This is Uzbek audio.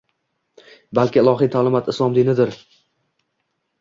balki ilohiy ta’limot – Islom dinidir.